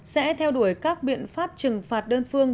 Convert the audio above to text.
sẽ theo đuổi các biện pháp trừng phạt đơn phương